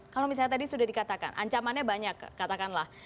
kalau misalnya tadi sudah dikatakan ancamannya banyak katakanlah